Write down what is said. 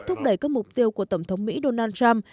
thúc đẩy các mục tiêu của tổng thống mỹ donald trump